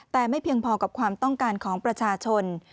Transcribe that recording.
แต่ไม่เพียงพอกับความต้องการของประชาชน